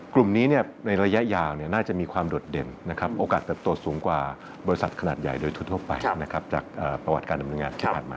กลุ่มนี้ในระยะยาวน่าจะมีความโดดเด่นนะครับโอกาสเติบโตสูงกว่าบริษัทขนาดใหญ่โดยทั่วไปนะครับจากประวัติการดำเนินงานที่ผ่านมา